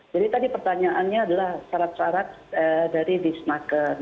jadi tadi pertanyaannya adalah syarat syarat dari diznaker